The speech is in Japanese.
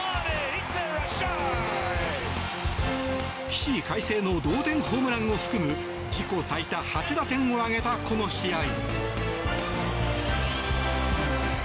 起死回生の同点ホームランを含む自己最多８打点を挙げたこの試合。